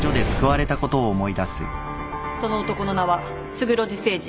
その男の名は勝呂寺誠司。